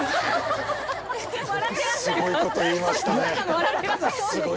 笑ってらっしゃる！